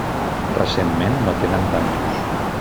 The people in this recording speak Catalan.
Recentment no tenen tant d'ús.